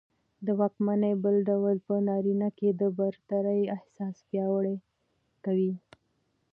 د واکمنۍ بل ډول په نارينه کې د برترۍ احساس پياوړى کوي